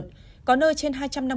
có nơi trên hai trăm năm mươi mm một đợt